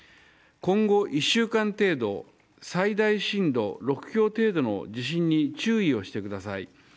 今後１週間程度最大震度６強程度の地震に注意をしてください。